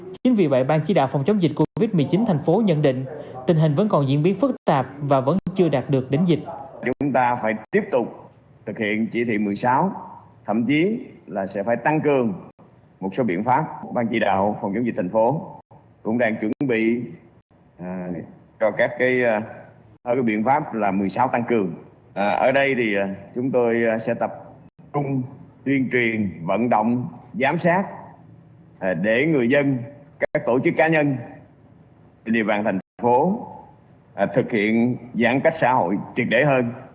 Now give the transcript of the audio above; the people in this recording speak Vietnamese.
chính vì vậy ban chí đạo phòng chống dịch covid một mươi chín thành phố nhận định tình hình vẫn còn diễn biến phức tạp và vẫn chưa đạt được đến dịch